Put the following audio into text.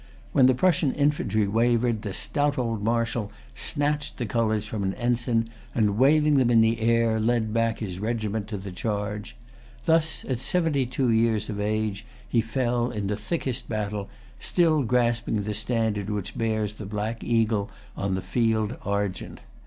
When the Prussian infantry wavered, the stout old marshal snatched the colors from an ensign, and, waving them in the air, led back his regiment to the charge. Thus at seventy two years of age he fell in the thickest battle, still grasping the standard which bears the black eagle on the field argent.